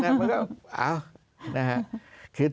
คือตอนนี้นี่ขอสอบชอบนะครับ